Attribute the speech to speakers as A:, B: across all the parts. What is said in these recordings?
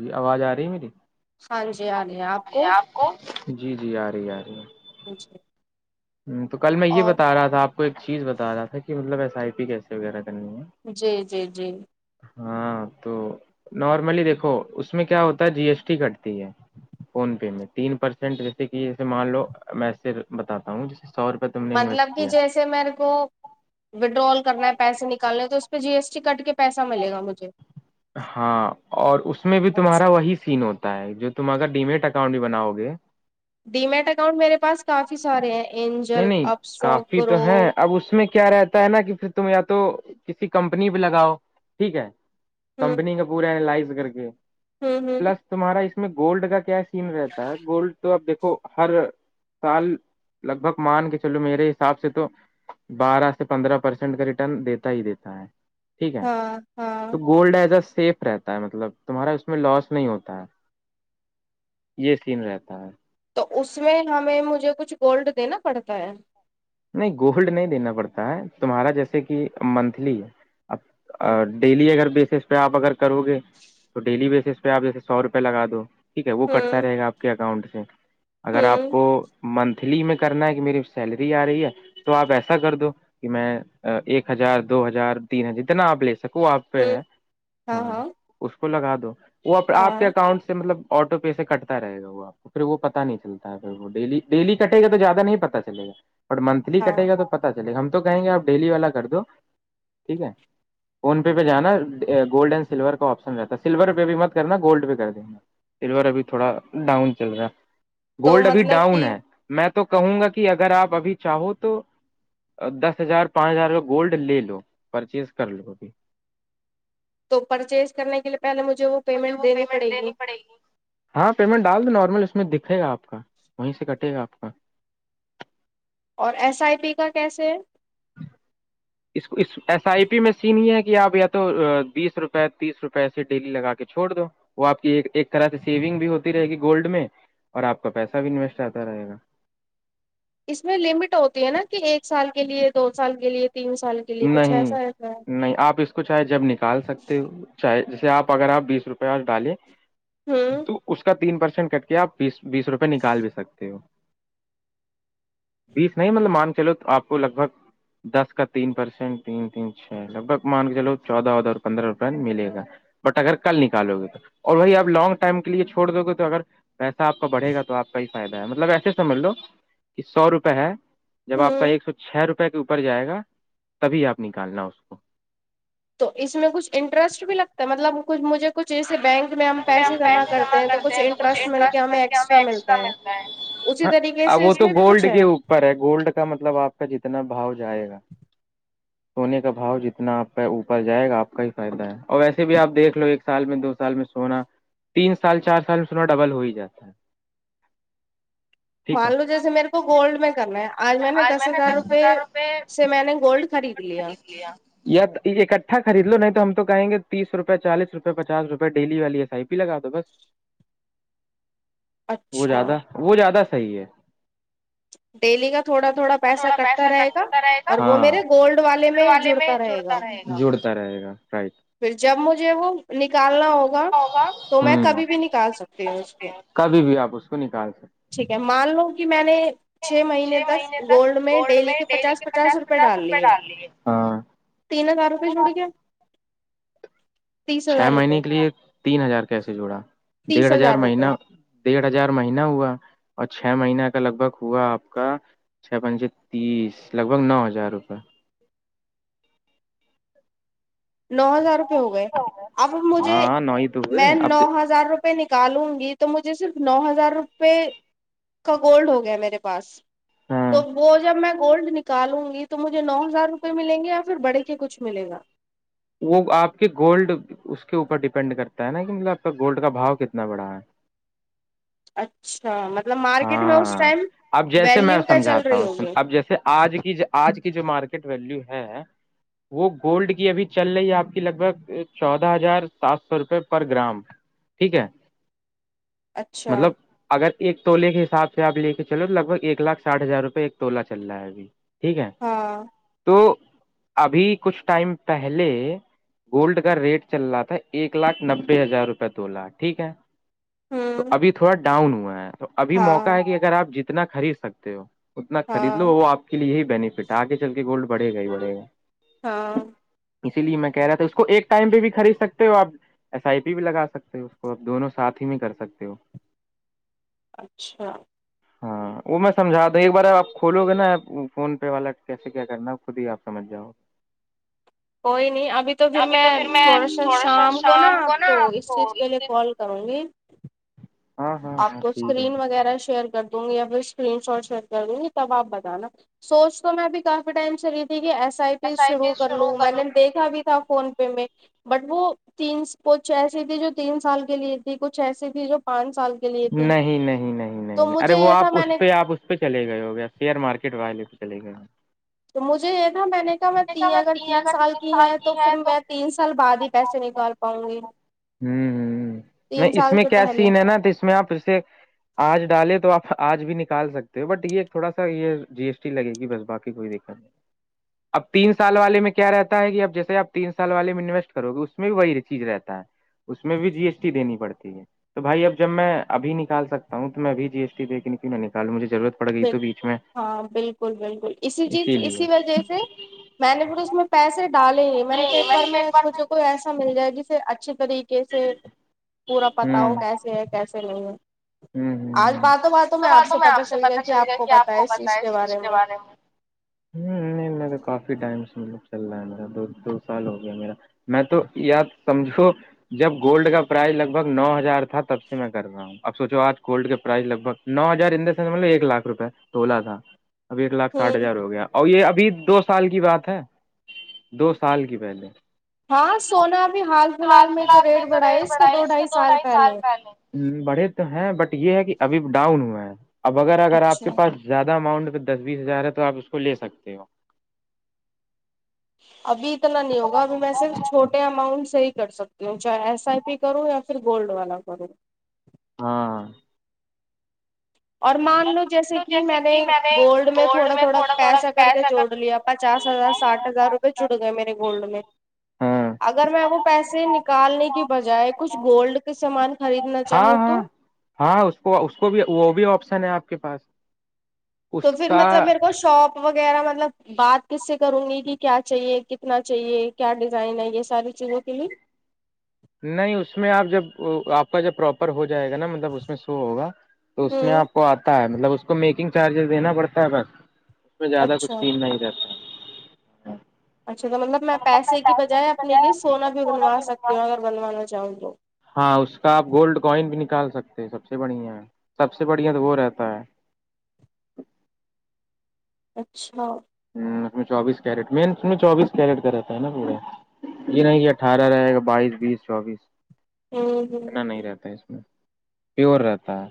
A: جی آواز آ رہی ہے میری
B: ہاں جی آ رہ ہے آپ کو
A: جی جی آ رہی آ رہی ہے
B: اچھا
A: تو کل میں یہ بتا رہا تھا آپ کو ایک چیز بتا رہا تھا کہ مطلب ایس آئی پی کیسے وغیرہ کرنی ہے
B: جی جی جی
A: ہاں تو نارملی دیکھو اس میں کیا ہوتا ہے جی ایس ٹی کٹتی ہے فون پے میں تین پرسینٹ جیسے کہ جے مان لو میںس بتاتا ہوں جیسے سپم
B: مطلب کہ جیسے میرے کو وڈرول کرنا ہے پیسے نکالنے ہے تو اس پہ جی ایس ٹی کٹ کے پیسہ ملےا مجھے
A: ہاں اور اس میں بھی تمہارا وہی سین ہوتا ہے جو تم اگر ڈیمیٹ اکاؤنٹ بھی بناؤ گے
B: ڈیمیٹ اکاؤنٹ میرے پاس کافی سارے ہیں
A: نہیں نہیں کافی تو ہے اب اس میں کیا رہتا ہے نا کہ پھر تم یا تو کسی کمپنی پہ لگاؤ ٹھیک ہے کمپنی کا پورا لائز کر کے
B: ہوں ہوں
A: تمہارا اس میں گولڈ کا کیا سین رہتا ہے گولڈ تو اب دیکھو ہر سال لگ بھگ مان کے چلو میرے حساب سے تو بارہ سے پندرہ پرسینٹ کا ریٹرن دیتا ہی دیتا ہے ٹھیک ہے تو گولڈ ایز ا سیف رہتا ہے مطلب تمہارا اس میں لاس نہیں ہوتا ہے یہ سم رہتا ہے
B: تو اس میں ہمیں مجھے کچھ گولڈ دینا پڑتا ہے
A: نہیں گولڈ نہیں دینا پڑتا ہے تمہارا جیسے کہ منتھلی ہے اب ڈیلی اگر بیسس پہ آپ اگر کرو گے تو ڈیلی بیسس پہ آپ جیسے سو روپئے لگا دو ٹھیک ہے وہ کٹتا رہے گا آپ کے اکاؤنٹ سے اگر آپ کو منتھلی میں کرنا ہے کہ میری سیلری آ ہے تو آپ ایسا کر دو کہ میں ایک ہزار دو ہزار تین ہزار جتنا آپ لے سکتے آپ پہ ہے ہاں اس کو لگا دو وہ آپ کے اکاؤنٹ سے مطلب آٹو پے سے کٹتا رہے گا وہا پھر وہ پتا نہیں چلتا ہے ڈیلی ڈیلی کٹے گا تو زیادہ نہیں پتا چلے گا بٹ منتھلی کٹے گا تو پت چلے گا ہم تو کہیں گے آپ ڈیلی والا کر دو ٹھیک ہے فون پے پہ جانا گولڈ اینڈ سلور کا آپشن رہتا ہے سلور پہ بھی مت کرنا گولڈ پہ کر دیں گا سلور ابھی تھوڑا ڈاؤن چل رہا ہے گولڈ ابھی ڈاؤن ہے میں تو کہوں گا کہ اگر آپ ابھی چاہو تو دس ہزار پانچ ہزار گولڈ لے لو پرچیز کر لو ابھی
B: تو پرچیز کرنے کے لیے پہلے مجھے وہ
A: مجھے وہ پیمنٹ دینی پڑے گی ہاں پیمنٹ ڈال دو نارمل اس میں دکھے گا آپ کا وہیں سے کٹے گا آپ کا
B: اور ایس آئی پی کا کیسے ہے
A: اس کو اس ایس آئی پی میں سین ہی ہے کہ آپ یا تو بیس روپئے تیس روپئے پیسے ڈیلی لگا کے چھوڑ دو وہ آپ کی ایک ایک طرح سے سیونگ بھی ہوتی رہے گی گولڈ میں اور آپ کو پیسہ بھی انویسٹ آتا رہے گا
B: اس میں لمٹ ہوتی ہے نا کہ ایک سال کے لیے دو سال کے لیے تین سال کے کے لیے کچھ ایسا ایسا ہے
A: چاہے جب نکال سکتے ہو چاہے جیسے آپ اگر آپ بیس روپئے ڈالیں تو اس کا تین پرسینٹ کٹ کے آپ بیس بیس روپے نکال بھی سکتے ہو بیس نہیں مطلب مان کے لو تو آپ کو لگ بھگ دس کا تین پرسینٹ تین تین چھ لگ بھگ مان کے چلو چودہ چودہ پندرہ روپت ملے گا بٹ اگر کل نکالو گے تو اور بھائی آپ لانگ ٹائم کے لیے چھوڑ دو گے تو اگر پیسہ آپ کا بڑھے گا تو آپ کا ہی فائدہ ہے مطلب ایسے سمجھ لو کہ سو روپے ہے جب آپ کا ایک سو چھ روپے کے اوپر جائے گا تبھی آپ نکالنا اس کو
B: تو اس میں کچھ انٹرسٹ بھی لگتا ہے مطلب کچھ مجھے کچھ ایسے بینک میں ہم پیسے جمع کرتے ہیں تو کچھ انٹرسٹ مل کے ہمیں ایکسٹرا ملتا اسی طریقے سے اس میں میں بھی کچھ ہے
A: پر ہے گولڈ کا مطلب آپ کا جتنا باؤ جائے گا سونے کا باؤ جتنا آپ کا اوپر جائے گا آپ کا ہی فائدہ ہے اور ویسے بھی آپ دیکھ لو ایک سال میں دو سال میں سونا تین سال چار سال میں سونا ڈبل ہو ہی جاتا ہے
B: مان لو جیسے میرے کو گولڈ میں کرنا ہے آج میں نے دس ہزار روپے سے میں نے گولڈ خرید لیا
A: اکٹھا خری لو نہیں تو ہم تو کہیں گے تیس روپئے چالیس روپئے پاس روپئے ڈیلی والی ہے س آئی پی لگا دو بس وہ زیادہ وہ زیادہ صحیح ہے تھوڑا پیسہ کٹتا رہے گا اور والے میں جڑتا رہے گا جوڑتا رہے گا رائٹ
B: پھر جب مجھے وہ نکالنا ہوگا تو میں کبھی بھی نکال سکتی ہوں اس کو ٹھیک ہے مان لو کہ میں نے چھ مہینے تک گولڈ میں ڈیلی کے پچاس پچاس روپئے ڈال لیے تین ہزار روپئے چھوڑ گیا
A: چھ مہینے کے لیے تین ہزار کیسے جڑا ڈیڑھ ہزار مہینہ ڈیڑھ ہزار مہینہ ہوا اور چھ مہین کا لگ بھگ ہوا آپ کا چھپنچ سے تیس لگ بھگ نو ہزار روپئے
B: نو ہزار روپئے ہو گئے اب ا مجھے میں نو ہزار روپئے نکالوں گی تو مجھے صرف نو ہزار روپے کا گولڈ ہو گیا میرے پاس تو وہ جب میں گولڈ نکالوں گی تو مجھے نو ہزار روپے ملیں گے یا پھر بڑے کے کچھ ملے گا
A: وہ آپ کے گولڈ اس کے اوپر ڈیپینڈ کرتا ہے نا کہ مطلب آپ کا گولڈ کا بھاؤ کتنا بڑا ہے
B: اچھا مطلب
A: ہاں اب جیسے میں سمجھاتا ہوں اب جیسے آج کی آج کی جو مارکیٹ ویلو ہے وہ گولڈ کی ابھی چل رہی ہے آپ کی لگ بھگ چودہ ہزار سات سو روپئے پر گرام ٹھیک ہے مطلب اگر ایک تولے کے حساب سے آپ لے کے چلو لگ بھ ایک لاکھ سٹھ ہزار روپئے ایک تولا چل رہا ہے ابھی ٹھیک ہے تو ابھی کچھ ٹائم پہلے گولڈ کا ریٹ چل رہا تھا ایک لاکھ نبے ہزار روپئے دو لاکھ ٹھیک ہے تو ابھی تھوڑا ڈاؤن ہوا ہے تو ابھی موقع ہے کہ اگر آپ جتنا خرید سکتے ہو اتنا خرید لو وہ آپ کے لیے یہی بینیفٹ ہے آگے چل کے گولڈ بڑے گا ہی بڑے گا
B: ہاں
A: اسی لیے میں کہہ رہا تھا اس کو ایک ٹائم پہ بھی خرید سکتے ہو آپ ایس آئی پی بھی لگا سکتے ہو اس کو اپ دونوں ساتھ ہی میں کر سکتے ہو
B: اچھا
A: ہاں وہ میں سمجھا دوں ایک بار ا آپ کھولو گے نا فون پے والا کیسے کیا کرنا ہے خود ہی آپ سمجھ گ جؤ
B: کوئی نہیں ابھی تو پھر میں تھوڑا سا شام کو نا آپ کو اس چیز کے لیے کال کروں گی آپ کو اسکرین وغیرہ شیئر کر دوں گی یا پھر اسکرین شاٹ شیئر کر دوں گی تب آپ بتانا سوچ تو میں ابھی کافی ٹائم چلی تھی کہ ایس آئی پی شروع کر لوں میں نے دیکھا بھی تھا فون پہ بٹ وہ تین کچھ ایسی تھی جو تین سال کے لیے تھی کچھ ایسی تھی جو پانچ سال
A: نہیں نہیں نہیں نہیں ارے وہ آپ اس پہ آپ اس اس پہ چلے گئے ہو گ یا شیئر مارکیٹ والے پہ چے گئے ہو
B: تو مجھے یہ تھا میں نے میں ت اگر تین سال کی ہے تو پھر میں تین سال بعد ہی پیسے نکال پاؤں گی
A: ہوں ہ نہیں اس میں کیا سین ہے نا تو اس میں آپ اسے آج ڈالے تو آپ آج بھی نکال سکتے ہو بٹ یہ تھوڑا سا یہ جی ایس ٹی لگے گی بس باقی کوئی دقت نہیں اب تین سال والے میں کیا رہتا ہے کہ اب جیسے آپ تین سال والے میں انویسٹ کرو گے اس میں بھی وہی چیز رہتا ہے اس میں بھی جی ایس ٹی دینی پڑتی ہے تو بھائی اب میں ابھی نال سکتا ہوں تو میں ابھی جی ایس ٹی د کےن کی میں نکالوںجھے ضرورت
B: ب ہاں بالکل بالکل اسی چیز اسی وجہ سے میں نے مھے اس میں پیسے ڈالے ہیں میں نے کہ ایک بار میں مجھے کو ایسا مل جائے جسے اچھے طریقے کیسے پورا پتا ہو کیسے ہے کیسے نہیں ہے
A: تو بات تو میں آپ سے پتا چل ہے کیا آپ کو بتائے اس چیز کے بارے میں ہ نہیں میں تو کافی ٹائم سے مب چل رہا ہے ن دو دو سال ہو گیا میرا میں تو یاد سمجھو جب گولڈ کا پرائز لگ بھگ نو ہزار تھا تب سے میں کر رہا ہوں اب سوچو آج کولڈ کے پرائز لگ بگ نو ہزار دا سینس مطلب ایک لاکھ روپئے توولا تھا اب ایک لاکھ ساٹھ ہزار ہو گیا اور یہ ابھی دو سال کی بات ہے دو سال کی پہلے حال فی الحال میں تو ریٹ بڑا ہے اس کے دو ڈھائی سال پہلے بڑے تو ہیں بٹ یہ ہے کہ ابھی ڈاؤن ہوا ہے اب اگر اگر آپ کے پاس زیادہ اماؤنٹ پہ دس بیس ہزار ہے تو آپ اسس کو لے سکتے ہو
B: ابھی اتنا نہیں ہوگا ابھی میں صرف چھوٹے اماؤنٹ سے ہی کر سکتا ہوں چاہے ایس آئی پی کروں یا پھر گولڈ والا کروں
A: ہاں
B: اور مان لو جیسے کہ میں نے گولڈ میں تھوڑا تھوڑا پیسہ کر کے جوڑ لیا پچا ہزار ساٹھ ہزار روپئے جٹ گئے میرے گولڈ میں اگر میں وہ پیسے نکالنے کے بجائے کچھ گولڈ کے سامان
A: ہاں ہاں ہاں اس کو اس کو بھی وہ بھی آپشن ہے آپ کے پاس
B: تو پھر مطلب میرے کو شاپ وغیرہ مطلب بات کس سے کروں گی کہ کیا چاہیے کتنا چاہیے کیا ڈیزائن ہے یہ ساری چیزوں کے لیے
A: نہیں اس میں آپ جب آپ کا جب پراپ ہو جائے گا نا مطلب اس میں سو ہوا تو اس میں آپ کو آتا ہے مطلب اس اس کو میکنگ چارجز دینا پڑتا ہے بس اس میں زیادہ کچھ پیل نہیں رہتا
B: اچھا تو مطلب میں پیسے کی بجائے اپنے لیے سونا بھی بنوا سکتی ہوں اگر بنوانا چاہوں تو
A: ہاں اس کا آپ گولڈ کوائن بھی نکال سکتے سب سے بڑھیا سب سے بڑھیا تو وہ رہتا ہے
B: اچھا
A: ہ اس میں چوبیس کیرٹ مین اس میں چوبیس کیرٹ کا رہتا ہے نا تھوڑے جی نہیں یہ اٹھارہ رہے گا بائیس بیس چوبیس اتنا نہیں رہتا ہے اس میں پیور رہتا ہے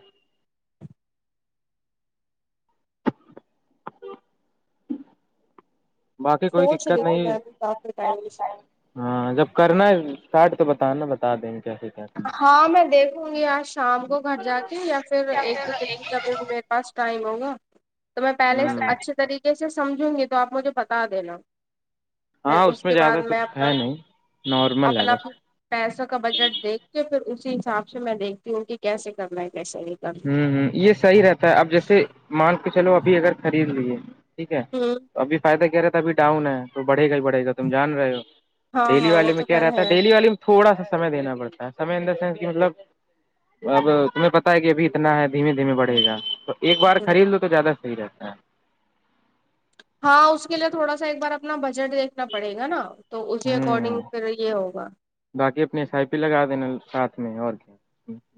B: سوچ رہی تھی میں ابھی کافی
A: ہاں جب کرنا ہے اسارٹ تو بتانا بتا دیں گے کیسے کیا کرنا
B: ہاں میں دیکھوں گی آج شام کو گھر جا کے یا پھر ایک دو دن جب میرے پاس ٹائم ہوگا تو میں پہلے اچھے طریقے سے سمجھوں گی تو آپ مجھے بتا دینا پھر اس کے بعد میں اپنا اپنا اپنا پیسوں کا بجٹ دیکھ کے پھر اسی حساب سے میں دیکھتی ہوں کہ کیسے کرنا ہے کیسے نہیں
A: ہوں یہ صحیح رہتا ہے اب جیسے مان کے چلو ابھی اگر خرید لیجے ٹھیک ہے ابھی فائدہ کیا رہتا ابھی ڈاؤن ہے تو بڑے گا ہی بڑھے گا تم جان رہ ہو ڈیلی والے میں کیا رہتا تھا ڈیلی والے تھوڑا سا سمے دینا پڑتا ہے سمے ان دا سینس کہ مطلب اب تمہیں پتا ہے کہ ابھی کتنا ہے دھیمے دھیمے بڑے گا تو ایک بار خرید لو تو زیادہ صحیح رہتا ہے
B: ہاں اس کے لیے تھوڑا سا ایک بار اپنا بجٹ دیکھنا پڑے گا نا تو اسی اکارڈنگ پھر یہ ہوگا
A: باقی اپنی ایس آئی پی لگا دینا ساتھ میں اور کیا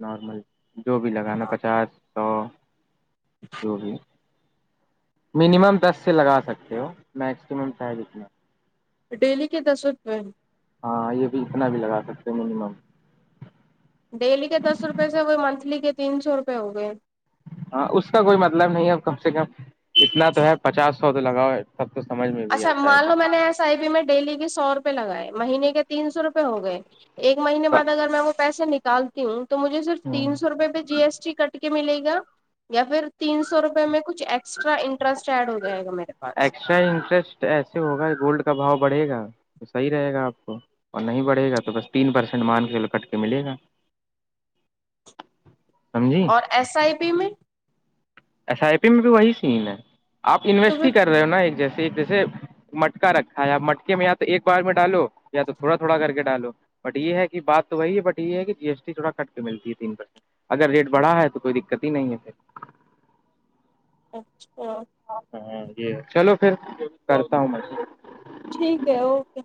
A: نارمل جو بھی لگانا پچاس سو جو بھی مینمم دس سے لگا سکتے ہو میکسیمم تھا جتنا
B: ڈیلی کے تسو تو
A: ہاں یہ بھی اتنا بھی لگا سکتے منیمم
B: ڈیلی کے دس روپیے سے ہو گئے منتھلی کے تین سو روپئے ہو گئے
A: ہاں اس کا کوئی مطلب نہیں اب کم سے کم اتنا تو ہے پچاس سو تو لگاؤ سب تو سمجھ میں بھی آتا ہے پھر
B: آئی بیی میں ڈیلی کے سو روپئے لگائے مہینے کے تین سو روپئے ہو گئے ایک مہینے بعد اگر میں وہ پیسے نکال توجھے صرف تین سو روپے پہ جیس ٹی ملے گا یا پھر تین سو روپے میں کچھ ایکسٹرا انٹرسٹ ایڈ ہو جائے گا میرے
A: ایکسٹرا انٹرسٹ ایسے ہوگا گولڈ کا باؤ بڑھے گا تو صحیح رہے گا آپ کو اور نہیں بڑھے گا تو بس تین پرسینٹ مان کے چلو کٹ کے ملے گا سمجی
B: ایس آئی پی میں
A: ایس آئی پی میں بھی وہی سین ہے آپ انویسٹ ہی کر رہے ہو نا ایک جیسے ایک جیسے مٹکا رکھا ہے یا آپ مٹکے میں یا تو ایک بار میں ڈالو یا تو تھوڑا تھوڑا کر کے ڈالو بٹ یہ ہے کہ بات تو وہی ہے بٹ یہ ہے کہ جی ایس ٹی تھوڑا کٹ کے ملتی ہے تین پرسینٹ اگر ریٹ بڑا ہے تو کوئی دقت ہی نہیں ہے پھر
B: اچھا
A: ہاں یہ چلو پھر کرتا ہوں میں
B: ٹھیک ہے اوکے